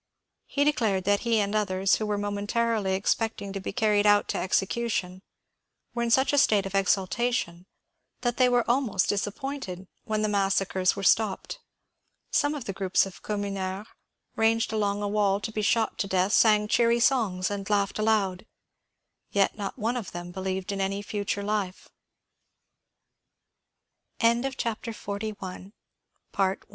He declared that he and others who were momentarily expecting to be carried out to execution were in such a state of exaltation that they were almost disappointed when the massacres were stopped. Some of the groups of communards ranged along a wall to be shot to death sang cheery songs and laughed aloud ; yet not one of them believed in any future life. Rdclus was a le